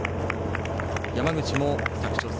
山口も、佐久長聖。